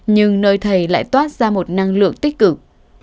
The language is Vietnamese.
nhưng nơi thầy lại toát ra một năng lượng tích cực